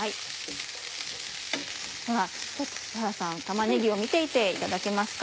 では杉原さん玉ねぎを見ていていただけますか？